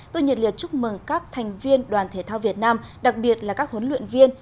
tôi nhiệt liệt chúc mừng các thành viên đoàn thể thao việt nam đặc biệt là các huấn luyện viên